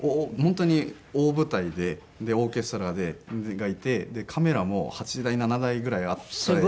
本当に大舞台でオーケストラがいてカメラも８台７台ぐらいあって。